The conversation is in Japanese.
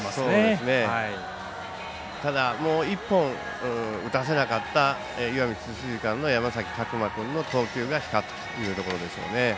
ただ、もう１本打たせなかった石見智翠館の山崎琢磨君の投球が光ったというところでしょうね。